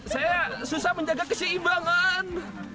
saya susah menjaga keseimbangan